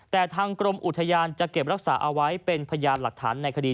แต่ทางกรมอุทยานจะเก็บรักษาเอาไว้เป็นพยานหลักฐานในคดี